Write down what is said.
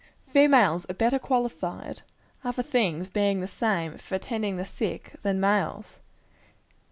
Females are better qualified other things being the same for attending the sick, than males.